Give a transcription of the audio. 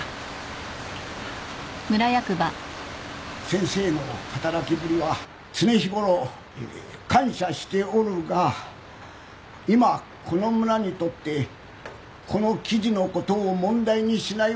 先生の働きぶりは常日ごろえー感謝しておるが今この村にとってこの記事のことを問題にしないわけには。